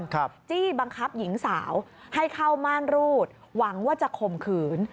จี้บังคับหญิงสาวให้เข้าม่านรูดหวังว่าจะข่มขืน